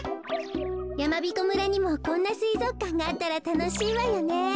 やまびこ村にもこんなすいぞくかんがあったらたのしいわよね。